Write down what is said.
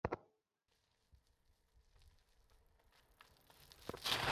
তিনি নিজেই স্বীয় দোষ স্বীকার করেন।